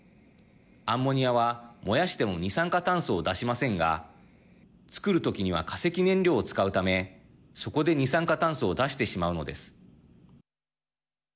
アンモニアは燃やしても二酸化炭素を出しませんがつくる時には化石燃料を使うためそこで二酸化炭素を出してしまうのです。